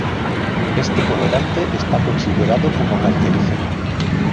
Este colorante está considerado como cancerígeno.